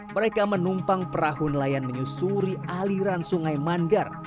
mereka menumpang perahu nelayan menyusuri aliran sungai mandar